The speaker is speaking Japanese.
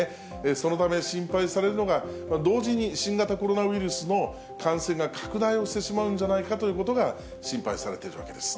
そのため、心配されるのが同時に新型コロナウイルスの感染が拡大をしてしまうんじゃないかということが、心配されてるわけです。